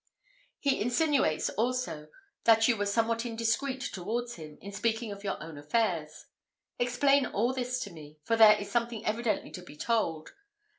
He insinuates, also, that you were somewhat indiscreet towards him, in speaking of your own affairs. Explain all this to me, for there is something evidently to be told.